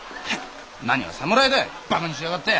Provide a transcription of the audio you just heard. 何が侍だよ。